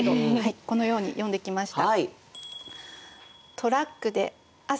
このように詠んできました。